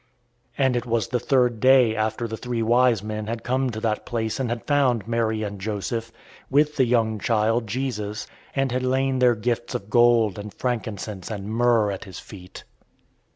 And it was the third day after the three wise men had come to that place and had found Mary and Joseph, with the young child, Jesus, and had laid their gifts of gold and frankincense and myrrh at his feet.